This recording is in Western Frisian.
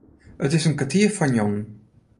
It is in kertier foar njoggenen.